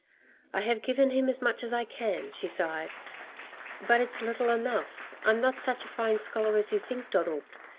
"I have given him as much as I can," she sighed, "but it's little enough. I'm not such a fine scholar as you think, Donald.